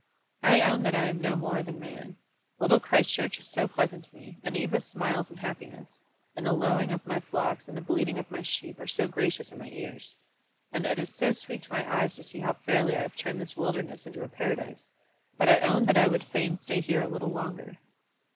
I own that I am no more than man. Little Christchurch is so pleasant to me, and Eva's smiles and happiness; and the lowing of my flocks and the bleating of my sheep are so gracious in my ears, and it is so sweet to my eyes to see how fairly I have turned this wilderness into a paradise, that I own that I would fain stay here a little longer."